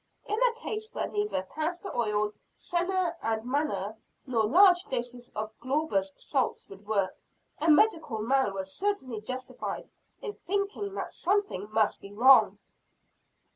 In a case where neither castor oil, senna and manna, nor large doses of Glauber's salts would work, a medical man was certainly justified in thinking that something must be wrong.